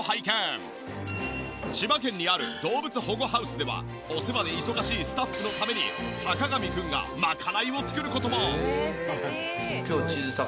千葉県にある動物保護ハウスではお世話で忙しいスタッフのために坂上くんが賄いを作る事も。